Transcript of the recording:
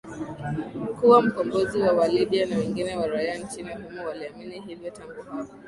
kuwa mkombozi wa Walibya na wengi wa raia nchini humo waliamini hivyo Tangu hapo